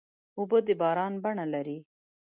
اوبه د باران بڼه لري.